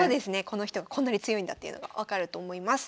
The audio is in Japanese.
この人がこんなに強いんだっていうのが分かると思います。